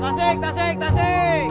tasik tasik tasik